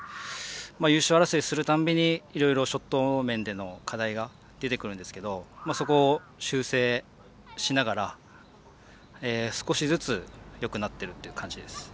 優勝争いをするたびにいろいろショット面での課題が出てくるんですけどそこを修正しながら少しずつよくなってるという感じです。